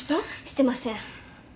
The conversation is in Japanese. してません。